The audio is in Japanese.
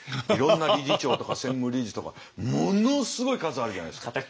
いろんな理事長とか専務理事とかものすごい数あるじゃないですか。